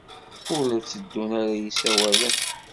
Ur la tteddun ara yisawalen.